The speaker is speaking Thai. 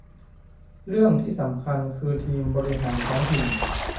เรื่องที่สำคัญคือทีมบริหารท้องถิ่น